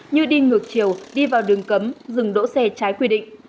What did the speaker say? như đi ngược chiều đi vào đường cấm dừng đỗ xe trái quy định